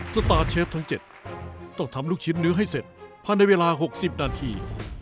สตาร์ทเชฟทั้ง๗ต้องทำลูกชิ้นนื้อให้เสร็จพันในเวลาลูกลูกชิ้นทั้ง๖๐นาที